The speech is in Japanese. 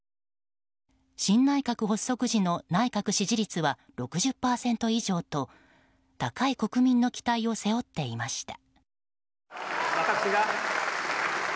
新内閣発足時の内閣支持率は６０％以上と高い国民の期待を背負っていました。